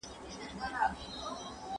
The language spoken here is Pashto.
انسانان باید د الله حق ادا کړي.